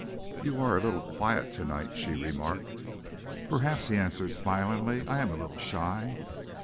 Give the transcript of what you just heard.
"You are a little quiet to night," she remarked. "Perhaps," he answered, smiling, "I am a little shy."